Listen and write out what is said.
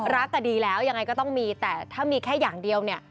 รักแต่ดีแล้วยังไงก็ต้องมีแต่ถ้ามีแค่อย่างเดียวเนี่ย